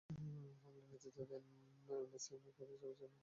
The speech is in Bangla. হামলার নেতৃত্ব দেন এসএমআই কুরিয়ার সার্ভিসের মালিক বদরুল আলম ওরফে শ্যামল।